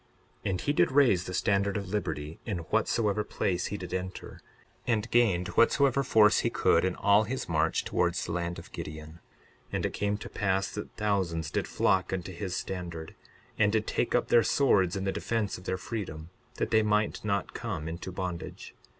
62:4 And he did raise the standard of liberty in whatsoever place he did enter, and gained whatsoever force he could in all his march towards the land of Gideon. 62:5 And it came to pass that thousands did flock unto his standard, and did take up their swords in the defence of their freedom, that they might not come into bondage.